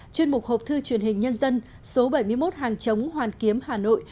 chuyên mục hộp thư truyền hình nhân dân số bảy mươi một hàng chống hoàn kiếm hà nội